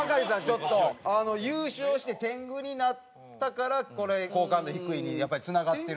ちょっと優勝して天狗になったから好感度低いにやっぱりつながってる？